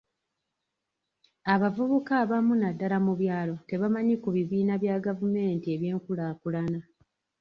Abavubuka abamu naddala mu byalo tebamanyi ku bibiina bya gavumenti eby'enkulaakulana.